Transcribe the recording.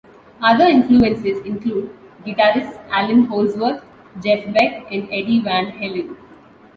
Other influences include guitarists Allan Holdsworth, Jeff Beck, and Eddie Van Halen.